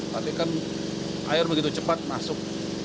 tapi kan air begitu cepat masuk